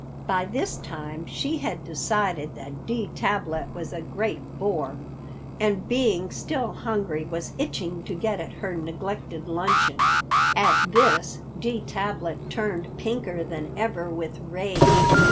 By this time she had decided that D. Tablet was a great bore, and being still hungry, was itching to get at her neglected luncheon. At this D. Tablet turned pinker than ever with rage.